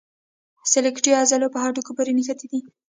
سکلیټي عضلې په هډوکو پورې نښتي دي.